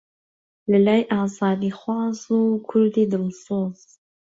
لەلای ئازادیخواز و کوردی دڵسۆز